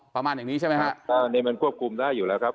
ประมาณอย่างนี้ใช่ไหมฮะก็นี่มันควบคุมได้อยู่แล้วครับ